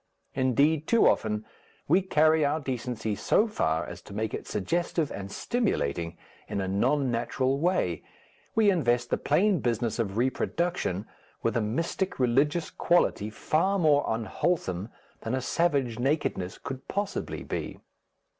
Indeed, too often we carry our decency so far as to make it suggestive and stimulating in a non natural way; we invest the plain business of reproduction with a mystic religious quality far more unwholesome than a savage nakedness could possibly be.